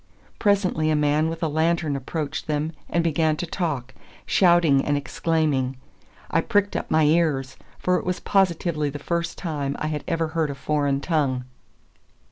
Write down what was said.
Presently a man with a lantern approached them and began to talk, shouting and exclaiming. I pricked up my ears, for it was positively the first time I had ever heard a foreign tongue.